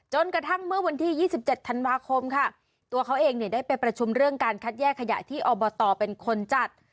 กระทั่งเมื่อวันที่๒๗ธันวาคมค่ะตัวเขาเองเนี่ยได้ไปประชุมเรื่องการคัดแยกขยะที่อบตเป็นคนจัด